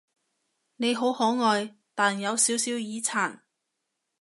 你好可愛，但有少少耳殘